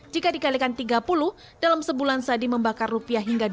jika dikalikan rp tiga puluh dalam sebulan sadi membakar rp dua ratus dua puluh lima